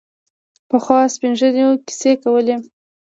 پخوا سپین ږیرو کیسې کولې.